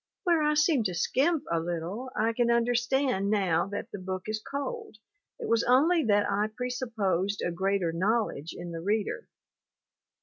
Where I seem to skimp a little, I can understand now that the book is cold, it was only that I presupposed a greater knowledge in the reader.